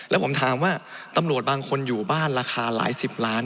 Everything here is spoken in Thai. แล้วผมถามว่าตำรวจบางคนอยู่บ้านราคาหลายสิบล้าน